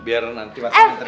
biar nanti pak sementari